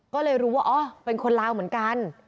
ก็เลยรู้ว่าอ๋อเป็นคนลาวเหมือนกัน